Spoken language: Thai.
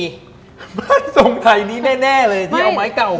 บ้านทรงไทยนี้แน่เลยที่เอาไม้เก่า